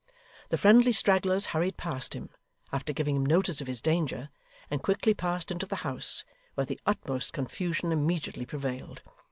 The friendly stragglers hurried past him, after giving him notice of his danger, and quickly passed into the house, where the utmost confusion immediately prevailed.